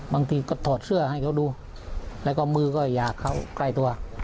บางทีก็ถอดเสื้อให้เขาดูแล้วก็มือก็อยากเข้าใกล้ตัว